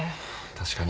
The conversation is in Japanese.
確かに。